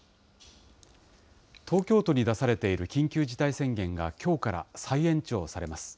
東京都に出されている緊急事態宣言がきょうから再延長されます。